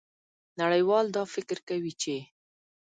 نړیوال دا فکر کوي چې